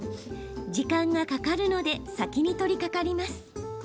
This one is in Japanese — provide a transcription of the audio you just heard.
時間がかかるので先に取りかかります。